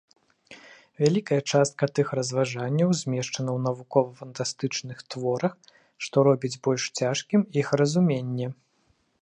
Вялікая частка тых разважанняў змешчана ў навукова-фантастычных творах, што робіць больш цяжкім іх разуменне.